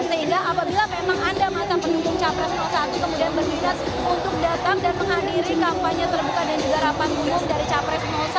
sehingga apabila memang anda mantan pendukung capres satu kemudian bersindas untuk datang dan menghadiri kampanye terbuka dan juga rapat khusus dari capres satu